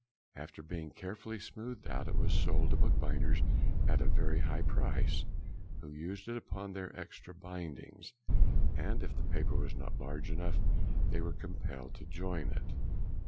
After being carefully smoothed out, it was sold to bookbinders at a very high price, who used it upon their extra bindings, and if the paper was not large enough they were compelled to join it.